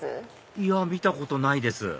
いや見たことないです